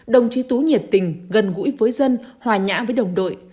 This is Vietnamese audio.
đồng chí tú nhiệt tình gần gũi với dân hòa nhã với đồng đội